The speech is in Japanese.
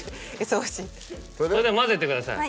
それで混ぜてください。